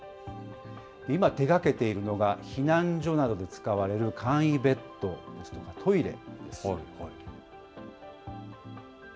今、手がけているのが、避難所などで使われる簡易ベッドですとかトイレです。